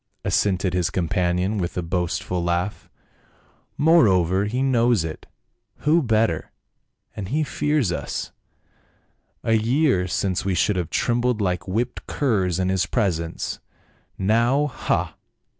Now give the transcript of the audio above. assented his companion with a boast ful laugh. "Moreover, he knows it ; who better? And he fears us. A year since we should have trem bled like whipped curs in his presence ; now — ha